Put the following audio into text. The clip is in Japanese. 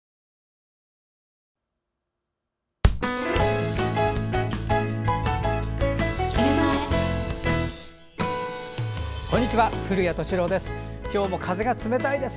古谷敏郎です。